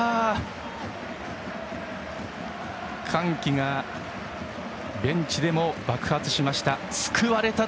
歓喜がベンチでも爆発しました。